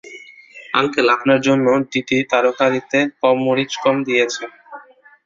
Uncle, আপনার জন্য, দিদি তরকারিতে মরিচ কম দিয়েছে।